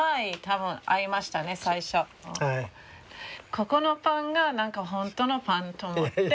ここのパンがホントのパンと思って。